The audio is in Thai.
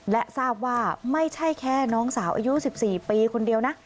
และทราบว่าไม่ใช่แค่น้องสาวอายุ๑๔ปีคนเดียวนะ